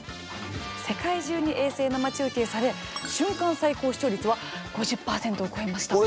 世界中に衛星生中継され瞬間最高視聴率は５０％を超えました。